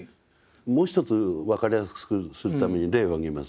もう一つ分かりやすくするために例を挙げます。